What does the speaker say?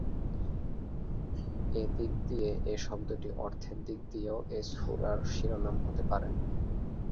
এ দিক দিয়ে এ শব্দটি অর্থের দিক দিয়েও এ সূরার শিরোনাম হতে পারে।